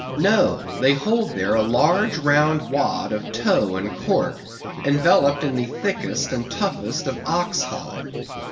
No, they hold there a large, round wad of tow and cork, enveloped in the thickest and toughest of ox hide.